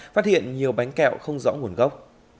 phát hiện nhiều bánh kẹo không rõ nguồn gốc